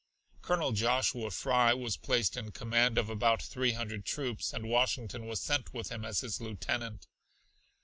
Colonel Joshua Fry was placed in command of about three hundred troops, and Washington was sent with him as his lieutenant.